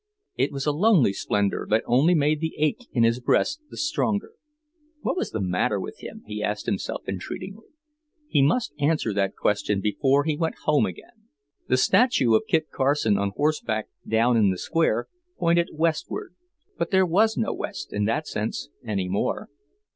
It was a lonely splendour that only made the ache in his breast the stronger. What was the matter with him, he asked himself entreatingly. He must answer that question before he went home again. The statue of Kit Carson on horseback, down in the Square, pointed Westward; but there was no West, in that sense, any more.